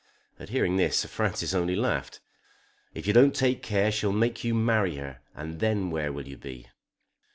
At hearing this Sir Francis only laughed. "If you don't take care she'll make you marry her, and then where will you be?"